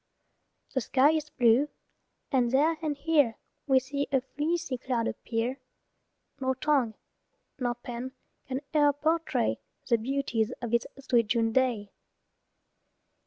The sky is blue, and there and here We see a fleecy cloud appear; Nor tongue nor pen can e'er portray The beauties of this sweet June day.